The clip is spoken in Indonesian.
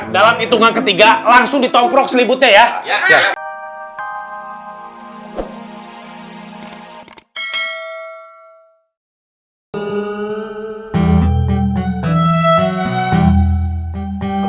dalam hitungan ketiga langsung ditoprak selibut ya